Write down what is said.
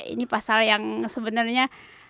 ini pasal yang sebenarnya